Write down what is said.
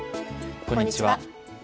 こんにちは。